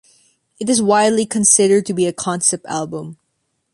It is widely considered to be a concept album.